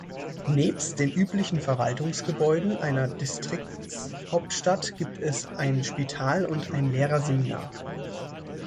Nebst den üblichen Verwaltungsgebäuden einer Distriktshauptstadt gibt es ein Spital und ein Lehrerseminar.